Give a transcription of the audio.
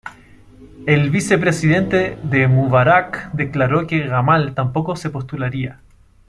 El vicepresidente de Mubarak declaró que Gamal tampoco se postularía.